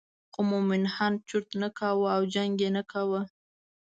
خو مومن خان چرت نه کاوه او جنګ یې نه کاوه.